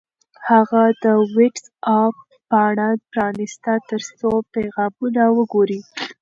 هغه د وټس-اپ پاڼه پرانیسته ترڅو پیغامونه وګوري.